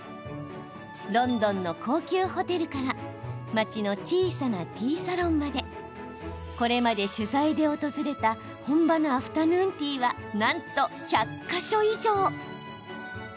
ロンドンの高級ホテルから町の小さなティーサロンまでこれまで取材で訪れた本場のアフタヌーンティーはなんと１００か所以上。